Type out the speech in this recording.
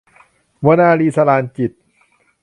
วนาลี - สราญจิตต์